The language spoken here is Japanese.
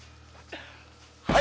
はい！